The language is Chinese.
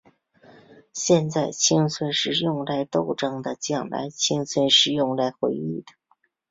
现在，青春是用来奋斗的；将来，青春是用来回忆的。